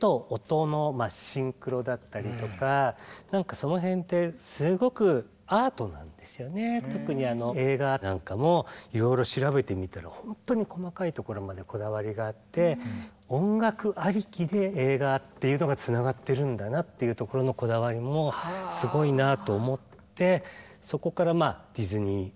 やっぱりなんかその辺ってすごく特に映画なんかもいろいろ調べてみたらほんとに細かいところまでこだわりがあって音楽ありきで映画っていうのがつながってるんだなっていうところのこだわりもすごいなと思ってそこからディズニー音楽にもねハマったし。